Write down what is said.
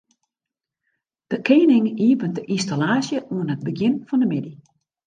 De kening iepenet de ynstallaasje oan it begjin fan de middei.